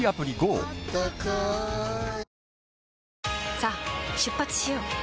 さあ出発しよう。